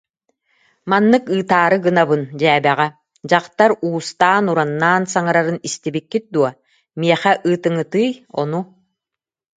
Маннык ыытаары гынабын, дьээбэҕэ: "Дьахтар уустаан-ураннаан саҥарарын истибиккит дуо? Миэхэ ыытыҥҥытыый, ону